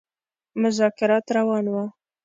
مذاکرات روان وه.